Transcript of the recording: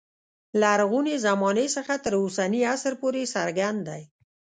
لرغونې زمانې څخه تر اوسني عصر پورې څرګند دی.